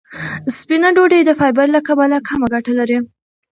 سپینه ډوډۍ د فایبر له کبله کمه ګټه لري.